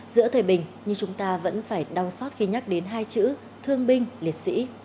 giữa thời bình như chúng ta vẫn phải đau xót khi nhắc đến hai chữ thương binh liệt sĩ